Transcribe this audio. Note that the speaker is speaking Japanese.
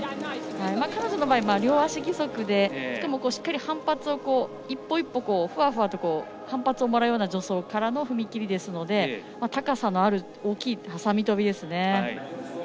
彼女の場合、両足義足でしかもしっかり１歩１歩反発をもらうような助走からの踏み切りですので高さのある大きいはさみ跳びですね。